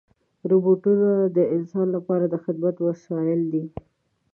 روبوټونه د انسان لپاره د خدمت وسایل دي.